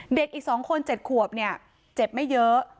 เอ่อเด็กอีกสองคนเจ็บขวบเนี้ยเจ็บไม่เยอะ